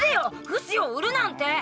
フシを売るなんて！